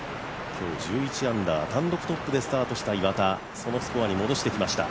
今日１１アンダー単独トップでスタートした岩田そのスコアに戻してきました。